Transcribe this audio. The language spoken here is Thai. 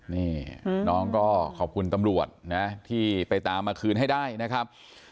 นี่น้องก็ขอบคุณตำรวจนะที่ไปตามมาคืนให้ได้นะครับ